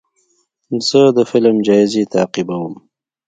زه د فلم جایزې تعقیبوم.